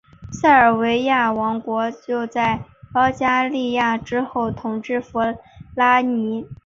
塞尔维亚王国又在保加利亚之后统治弗拉涅。